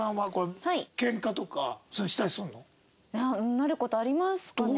なる事ありますかね。